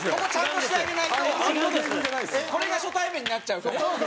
これが初対面になっちゃうから。